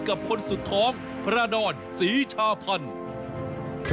กับคนสุดท้องพระดอนศรีชาพันธ์